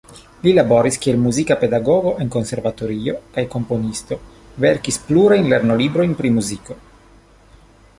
Li laboris kiel muzika pedagogo en konservatorio kaj komponisto, verkis plurajn lernolibrojn pri muziko.